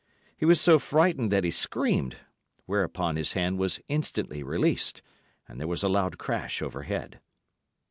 He was so frightened that he screamed; whereupon his hand was instantly released, and there was a loud crash overhead.